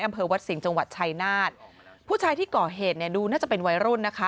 อำเภอวัดสิงห์จังหวัดชายนาฏผู้ชายที่ก่อเหตุเนี่ยดูน่าจะเป็นวัยรุ่นนะคะ